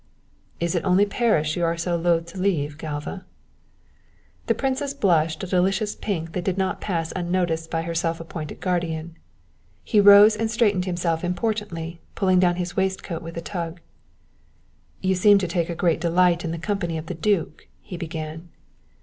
"Is it only Paris you are so loath to leave, Galva?" The princess blushed a delicious pink that did not pass unnoticed by her self appointed guardian. He rose and straightened himself importantly, pulling down his waistcoat with a tug. "You seem to take a great delight in the company of the duke," he began.